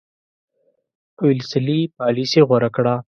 ویلسلي پالیسي غوره کړه.